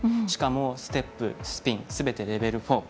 しかも、ステップ、スピンすべて、レベル４。